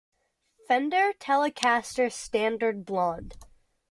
Fender Telecaster Standard Blonde.